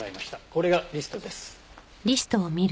これがリストです。